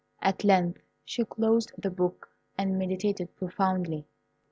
At length she closed the book and meditated profoundly.